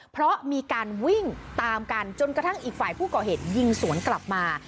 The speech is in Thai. เพราะมีการวิ่งตามกันจนกระทั่งอีกฝ่ายผู้ก่อเหตุยิงสวนกลับมา